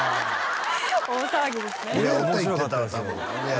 大騒ぎですね